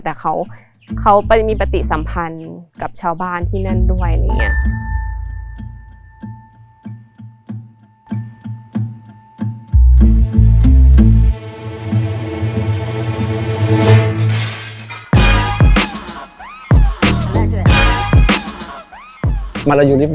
แต่เขามีปฏิสัมพันธ์กับชาวบ้านที่นั่นด้วย